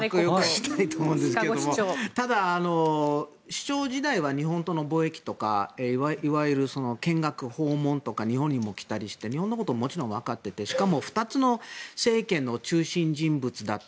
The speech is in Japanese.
ただ、市長時代は日本との貿易とかいわゆる見学、訪問とか日本にも来たりして日本のことをもちろんわかっていてしかも２つの政権の中心人物だった。